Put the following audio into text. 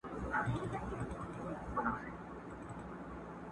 یوه لوی کمر ته پورته سو ډېر ستړی.!